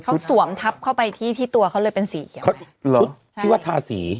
เขาสวมทับเข้าไปที่ที่ตัวเขาเลยเป็นสีเขียวชุดที่ว่าทาสี